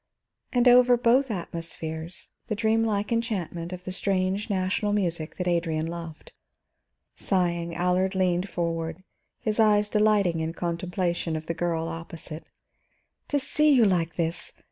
And over both atmospheres the dreamlike enchantment of the strange national music that Adrian loved. Sighing, Allard leaned forward, his eyes delighting in contemplation of the girl opposite. "To see you like this!